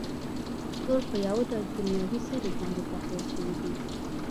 ټول په يوه ډول کيمياوي سرې باندې تقويه شوي دي.